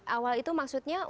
awal itu maksudnya